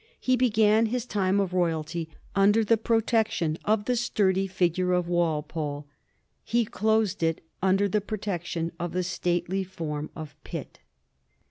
He began his time of royalty under the protection of the sturdy figure of Walpole ; he closed it under the protection of the stately form of Pitt.